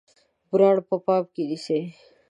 برانډ په پام کې نیسئ؟